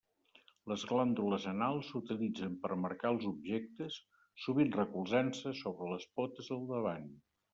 Les glàndules anals s'utilitzen per marcar els objectes, sovint recolzant-se sobre les potes del davant.